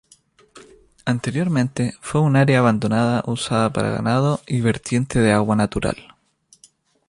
Anteriormente fue un área abandonada usada para ganado y vertiente de agua natural.